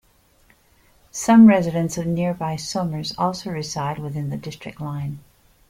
Some residents of nearby Somers also reside within the district line.